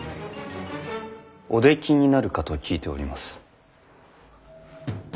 おできになるかと聞いております。